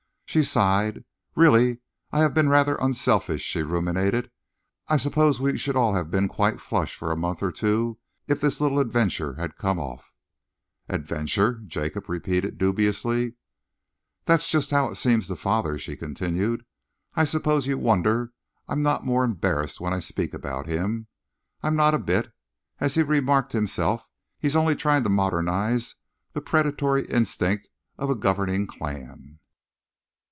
She sighed. "Really, I have been rather unselfish," she ruminated. "I suppose we should all have been quite flush for a month or two if this little adventure had come off." "Adventure?" Jacob repeated dubiously. "That's just how it seems to father," she continued. "I suppose you wonder I'm not more embarrassed when I speak about him. I'm not a bit. As he remarked himself, he's only trying to modernise the predatory instincts of a governing clan."